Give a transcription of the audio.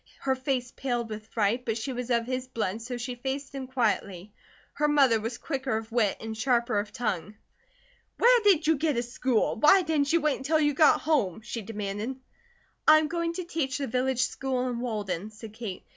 Her face paled with fright, but she was of his blood, so she faced him quietly. Her mother was quicker of wit, and sharper of tongue. "Where did you get a school? Why didn't you wait until you got home?" she demanded. "I am going to teach the village school in Walden," said Kate.